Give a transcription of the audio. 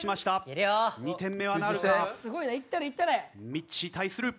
みっちー対する。